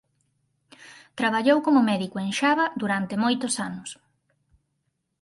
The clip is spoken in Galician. Traballou como médico en Xava durante moitos anos.